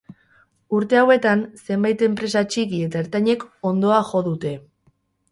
Urte hauetan zenbait enpresa txiki eta ertainek hondoa jo dute.